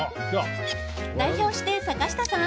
代表して、坂下さん！